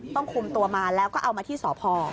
คุมตัวมาแล้วก็เอามาที่สพ